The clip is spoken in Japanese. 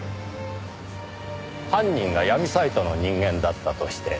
犯人が闇サイトの人間だったとして。